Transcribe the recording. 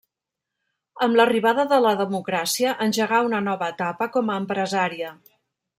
Amb l'arribada de la democràcia, engegà una nova etapa com a empresària.